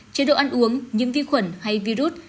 chế độ ăn uống nhiễm vi khuẩn hay virus